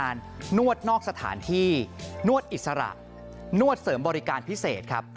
นวดนอกสถานที่นวดอิสระนวดเสริมบริการพิเศษครับ